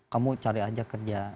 kamu cari aja kerja